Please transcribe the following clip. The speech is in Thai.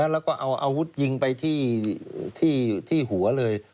แล้วก็เอาอาวุธยิงไปที่หัวเลย